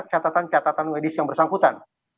catatan catatan medis yang bersangkutan